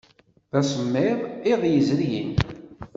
D asemmiḍ iḍ yezrin.